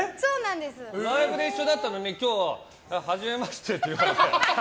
ライブで一緒だったのに今日初めましてって言われて。